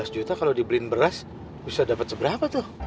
lima belas juta kalau dibeliin beras bisa dapat seberapa tuh